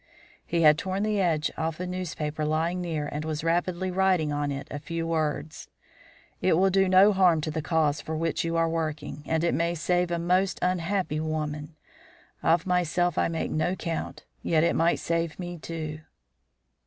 (He had torn the edge off a newspaper lying near and was rapidly writing on it a few words.) "It will do no harm to the cause for which you are working, and it may save a most unhappy woman. Of myself I make no count, yet it might save me, too."